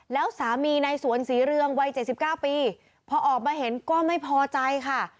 แล้วสามีในสวนศรีเรืองวัย๗๙ปีพอออกมาเห็นก็ไม่พอใจค่ะ